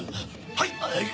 はい！